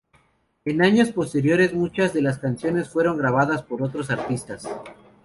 En años posteriores, muchas de las canciones fueron grabadas por otros artistas.